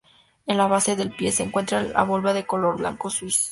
En la base del pie se encuentra la volva, de color blanco sucio.